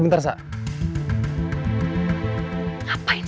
orang orang bantuan gak sabar peng harlem